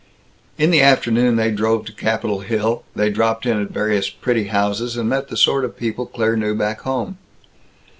In the afternoon they drove to Capitol Hill; they dropped in at various pretty houses and met the sort of people Claire knew back home.